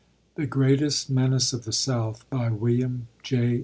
THE GREATEST MENACE OF THE SOUTH WILLIAM J.